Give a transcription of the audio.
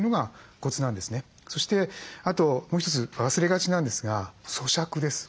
そしてあともう一つ忘れがちなんですがそしゃくです。